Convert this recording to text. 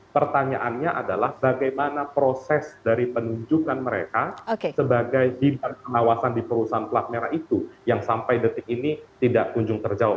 pertanyaannya adalah bagaimana proses dari penunjukan mereka sebagai bidang pengawasan di perusahaan pelat merah itu yang sampai detik ini tidak kunjung terjawab